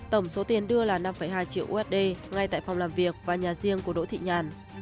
tổng số tiền đưa là năm hai triệu usd ngay tại phòng làm việc và nhà riêng của đỗ thị nhàn